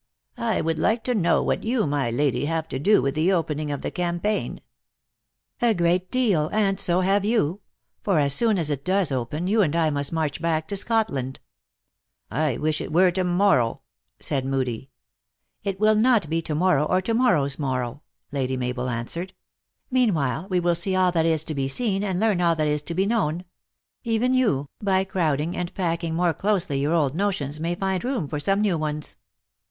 " I would like to know what you, rny Lady, have to do with the opening of the campaign ?"" A great deal, and so have you ; for, as soon as it does open, you and I must march back to Scotland." " I wish it were to morrow," said Moodie. u It will not be to morrow, or to morrow s morrow," Lady Mabel answered. " Meanwhile, we will see all that is to be seen, and learn all that is to be known. Even you, by crowding and packing more closely your old notions, may find room for some new ones.